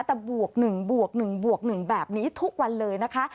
แต่บวก๑บวก๑บวก๑แบบนี้ทุกวันเลยนะคะ